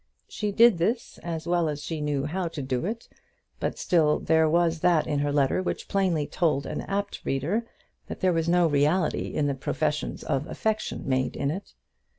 She did this as well as she knew how to do it; but still there was that in the letter which plainly told an apt reader that there was no reality in the professions of affection made in it.